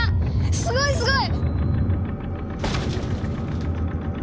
すごいすごい！